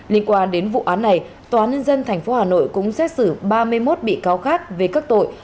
liên quan đến vụ án này tòa án nhân dân tp hà nội cũng xét xử ba mươi một bị cáo khác về các tội